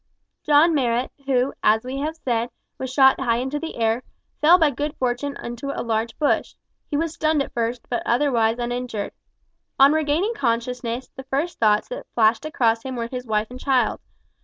John Marrot, who, as we have said, was shot high into the air, fell by good fortune into a large bush. He was stunned at first, but otherwise uninjured. On regaining consciousness, the first thoughts that flashed across him were his wife and child.